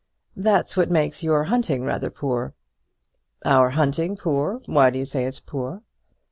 "That's what makes your hunting rather poor." "Our hunting poor! Why do you say it's poor?"